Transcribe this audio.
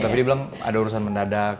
tapi dia bilang ada urusan mendadak